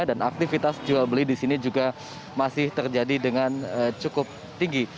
dan aktivitas jual beli di sini juga masih terjadi dengan cukup tinggi